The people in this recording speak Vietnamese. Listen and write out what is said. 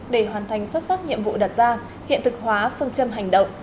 để hoàn thành xuất sắc nhiệm vụ đặt ra hiện thực hóa phương châm hành động